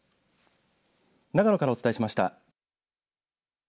長野からお伝えしました。